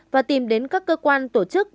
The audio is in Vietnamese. và tìm đến các cơ quan tổ chức